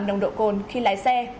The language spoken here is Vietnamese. nồng độ cồn khi lái xe